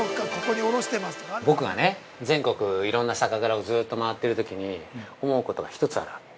◆僕は、全国いろんな酒蔵をずっと回ってるときに思うことが一つあるわけ。